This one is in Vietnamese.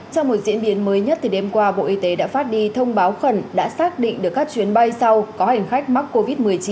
trong một diễn biến mới nhất đêm qua bộ y tế đã phát đi thông báo khẩn đã xác định được các chuyến bay sau có hành khách mắc covid một mươi chín